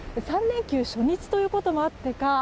３連休初日ということもあってか